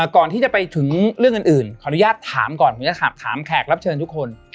ก่อนที่จะไปถึงเรื่องอื่นขออนุญาตถามก่อนผมจะถามแขกรับเชิญทุกคน